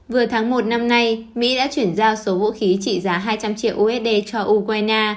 vừa tháng một năm nay mỹ đã chuyển giao số vũ khí trị giá hai trăm linh triệu usd cho ukraine